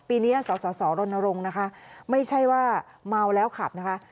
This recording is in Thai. ปีนี้สสรณรงค์นะคะไม่ใช่ว่าเมาแล้วขับนะคะ